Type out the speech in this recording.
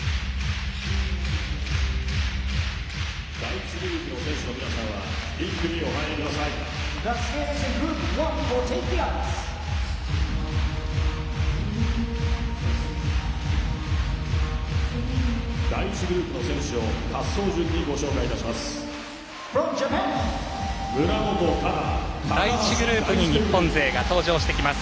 第１グループの選手を滑走順にご紹介いたします。